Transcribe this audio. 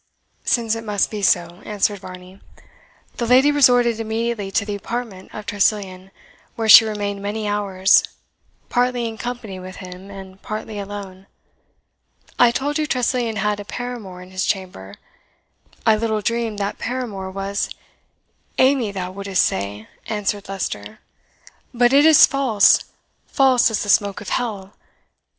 "Since it must be so," answered Varney, "the lady resorted immediately to the apartment of Tressilian, where she remained many hours, partly in company with him, and partly alone. I told you Tressilian had a paramour in his chamber; I little dreamed that paramour was " "Amy, thou wouldst say," answered Leicester; "but it is false, false as the smoke of hell!